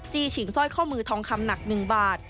ฉิงสร้อยข้อมือทองคำหนัก๑บาท